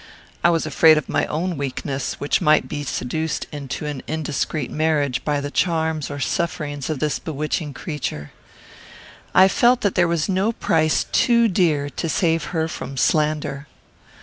I was afraid of my own weakness, which might be seduced into an indiscreet marriage by the charms or sufferings of this bewitching creature. I felt that there was no price too dear to save her from slander.